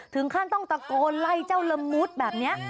ถึงขั้นต้องตะโกนไล่เจ้าละมุดแบบนี้